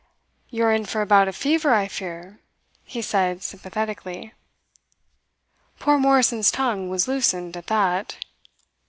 "You are in for a bout of fever, I fear," he said sympathetically. Poor Morrison's tongue was loosened at that.